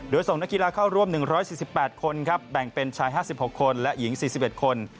โดยส่งนักกีฬาเข้าร่วม๑๔๘คนครับแบ่งเป็นชาย๕๖คนและหญิง๔๑คน